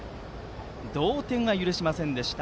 同点は許しませんでした